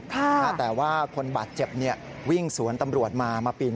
แต่ว่าคนบาดเจ็บวิ่งสวนตำรวจมา